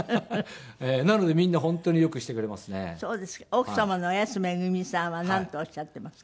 奥様の安めぐみさんはなんとおっしゃっていますか？